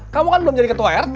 kamu kan belum jadi ketua rt